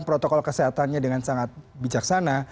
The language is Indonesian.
protokol kesehatannya dengan sangat bijaksana